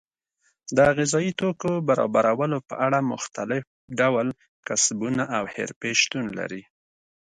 د غذایي توکو برابرولو په اړه مختلف ډول کسبونه او حرفې شتون لري.